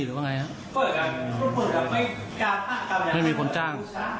ลักษณ์มากกว่า